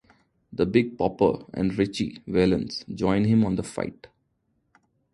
The Big Bopper and Ritchie Valens join him on the flight.